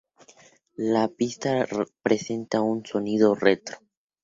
La pista presenta un sonido retro.